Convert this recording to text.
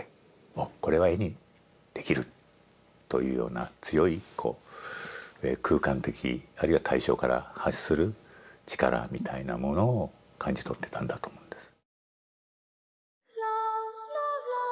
おこれは絵にできるというような強いこう空間的あるいは対象から発する力みたいなものを感じ取ってたんだと思うんです。